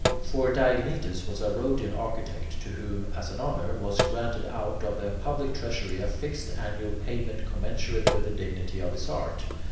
For Diognetus was a Rhodian architect, to whom, as an honour, was granted out of the public treasury a fixed annual payment commensurate with the dignity of his art.